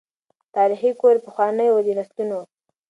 تاریخي کور پخوانی وو د نسلونو